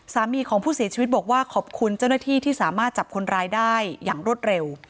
สามีของผู้เสียชีวิตบอกว่าขอบคุณเจ้าหน้าที่ที่สามารถจับคนร้ายได้อย่างรวดเร็ว